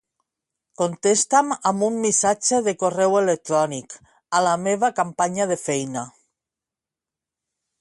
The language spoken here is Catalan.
Contesta'm amb un missatge de correu electrònic a la meva companya de feina.